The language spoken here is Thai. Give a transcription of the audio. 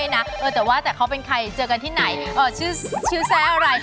แต่ว่าแต่เขาเป็นใครเจอกันที่ไหนชื่อแซ่อะไร